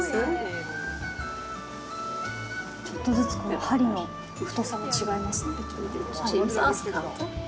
ちょっとずつこの針の太さも違いますね。